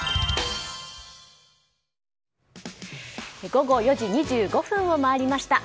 午後４時２５分を回りました。